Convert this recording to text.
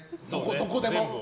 どこでも。